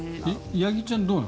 八木ちゃん、どうなの？